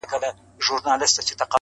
پروردگار به تهمت گرو ته سزا ورکوي_